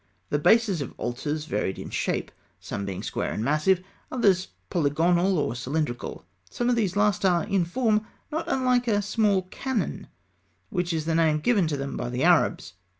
The bases of altars varied in shape, some being square and massive, others polygonal or cylindrical. Some of these last are in form not unlike a small cannon, which is the name given to them by the Arabs.